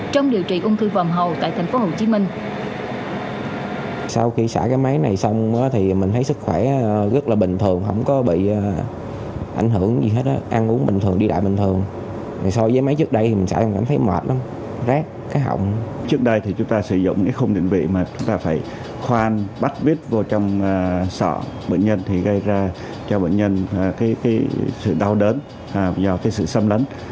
trong điều trị ung thư vòng hầu tại tp hcm